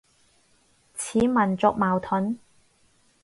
似民族矛盾